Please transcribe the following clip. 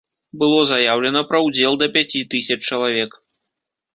Было заяўлена пра ўдзел да пяці тысяч чалавек.